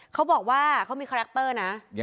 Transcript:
เขาบอกว่าเขามีคาแรคเตอร์นะ